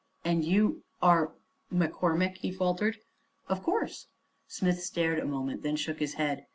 "And you are McCormick?" he faltered. "Of course." Smith stared a moment and then shook his head.